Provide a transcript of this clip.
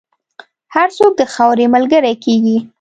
هر څوک د خاورې ملګری کېږي.